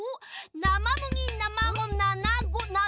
なまむぎなまごななご。